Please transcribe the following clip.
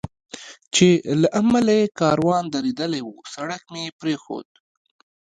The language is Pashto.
چې له امله یې کاروان درېدلی و، سړک مې پرېښود.